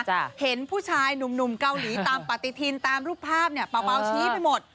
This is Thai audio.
เห็นผู้ชายหนุ่มเกาหลีตามปฏิทินตามรูปภาพเนี่ยเปล่าชี้ไปหมด